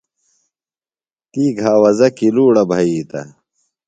تی گھاوزہ کلوڑ بھیتہ۔